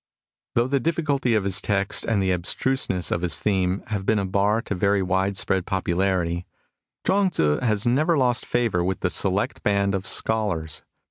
Though the diifficulty of his text and the abstruseness of his theme have been a bar to very wide spread popularity, Chuang Tzu has never lost favour with the select band of scholars.